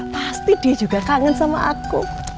pasti dia juga kangen sama aku